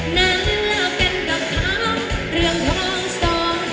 น่าเลือกกันกับขาวเตือนท้องสอง